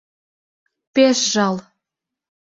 — Пеш жал.